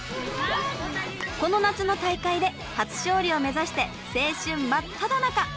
この夏の大会で初勝利を目指して青春真っただ中！